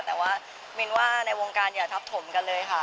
แต่ว่ามินว่าในวงการอย่าทับถมกันเลยค่ะ